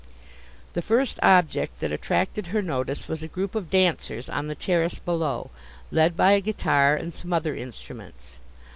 The first object that attracted her notice was a group of dancers on the terrace below, led by a guitar and some other instruments.